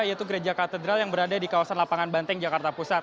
yaitu gereja katedral yang berada di kawasan lapangan banteng jakarta pusat